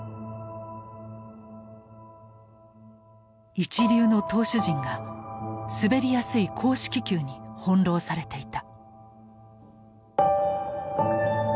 一流の投手陣が滑りやすい公式球に翻弄されていた。